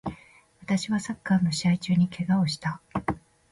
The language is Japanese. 私はサッカーの試合中に怪我をした